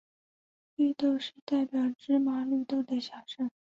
绿豆是代表芝麻绿豆的小事。